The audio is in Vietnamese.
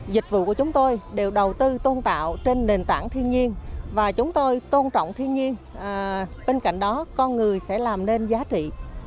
dịch vụ của chúng tôi đều đầu tư tôn tạo trên nền tảng thiên nhiên và chúng tôi tôn trọng thiên nhiên bên cạnh đó con người sẽ làm nên giá trị